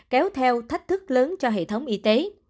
kéo theo thách thức lớn cho hệ thống y tế